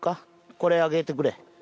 これ上げてくれ。